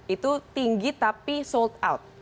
itu tinggi tapi sold out